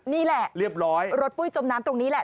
นี่แหละรถปุ้ยจมน้ำตรงนี้แหละ